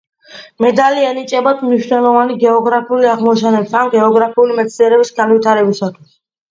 მედალი ენიჭებათ მნიშვნელოვანი გეოგრაფიული აღმოჩენების ან გეოგრაფიული მეცნიერების განვითარებისათვის.